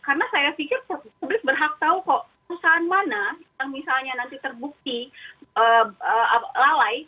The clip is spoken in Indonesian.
karena saya pikir publik berhak tahu kok perusahaan mana yang misalnya nanti terbukti lalai